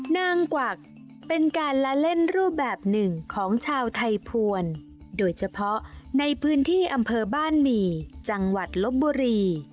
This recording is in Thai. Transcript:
นางกวักเป็นการละเล่นรูปแบบหนึ่งของชาวไทยภวรโดยเฉพาะในพื้นที่อำเภอบ้านหมี่จังหวัดลบบุรี